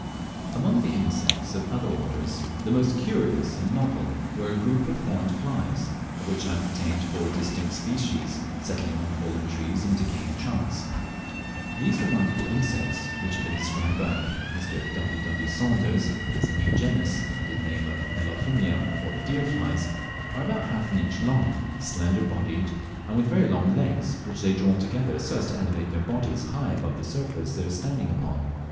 Among the insects of other orders, the most curious and novel were a group of horned flies, of which I obtained four distinct species, settling on fallen trees and decaying trunks. These remarkable insects, which have been described by Mr. W. W. Saunders as a new genus, under the name of Elaphomia or deer flies, are about half an inch long, slender bodied, and with very long legs, which they draw together so as to elevate their bodies high above the surface they are standing upon.